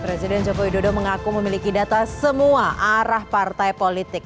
presiden jokowi dodo mengaku memiliki data semua arah partai politik